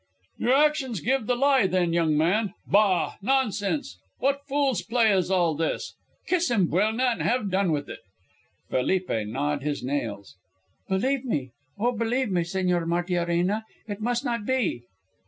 "Your actions give you the lie, then, young man. Bah! Nonsense. What fool's play is all this? Kiss him, Buelna, and have done with it." Felipe gnawed his nails. "Believe me, oh, believe me, Señor Martiarena, it must not be."